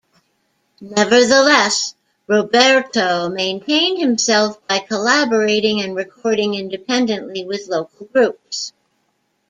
Nevertheless, Roberto maintained himself by collaborating and recording independently with local groups.